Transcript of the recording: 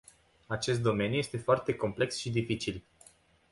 Acest domeniu este foarte complex și dificil.